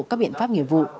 các biện pháp nghiệp vụ